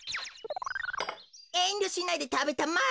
えんりょしないでたべたまえ。